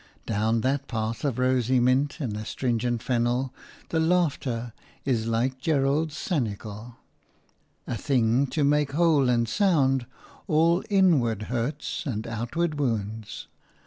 Down that path of rosy mint and astringent fennel the laughter is like Gerard's sanicle – "a thing to make whole and sound all inward hurts and outward wounds."